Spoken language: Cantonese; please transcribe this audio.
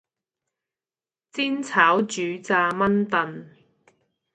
煎炒煮炸炆燉